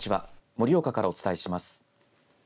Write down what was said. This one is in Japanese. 盛岡からお伝えします。